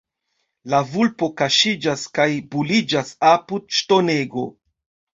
La vulpo kaŝiĝas kaj buliĝas apud ŝtonego.